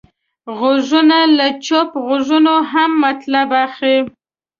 غوږونه له چوپ غږونو هم مطلب اخلي